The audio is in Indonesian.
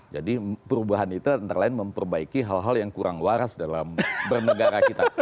jadi perubahan itu antara lain memperbaiki hal hal yang kurang waras dalam bernegara kita